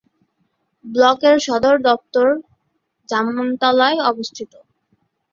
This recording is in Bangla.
ব্লকের সদর দফতর জামতলায় অবস্থিত।